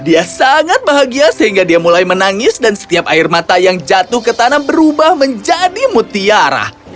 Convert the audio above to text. dia sangat bahagia sehingga dia mulai menangis dan setiap air mata yang jatuh ke tanah berubah menjadi mutiara